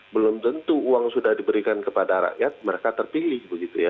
belum tentu uang sudah diberikan kepada rakyat mereka terpilih